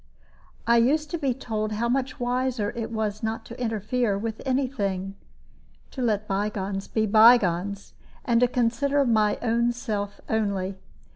I used to be told how much wiser it was not to interfere with any thing to let by gones be by gones, and consider my own self only.